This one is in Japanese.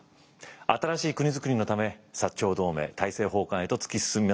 新しい国づくりのため長同盟大政奉還へと突き進みます。